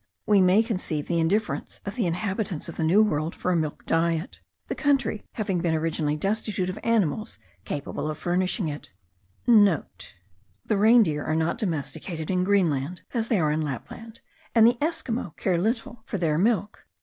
We may conceive the indifference of the inhabitants of the New World for a milk diet, the country having been originally destitute of animals capable of furnishing it*; (* The reindeer are not domesticated in Greenland as they are in Lapland; and the Esquimaux care little for their milk.